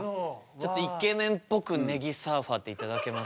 ちょっとイケメンっぽくねぎサーファーって頂けますか？